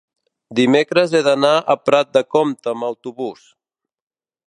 dimecres he d'anar a Prat de Comte amb autobús.